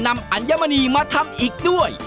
อัญมณีมาทำอีกด้วย